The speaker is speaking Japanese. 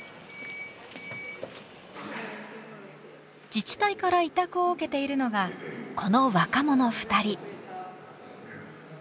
自治体から委託を受けているのがこの若者２人。